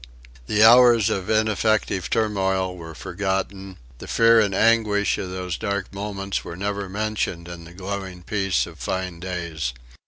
The hours of ineffective turmoil were forgotten; the fear and anguish of these dark moments were never mentioned in the glowing peace of fine days.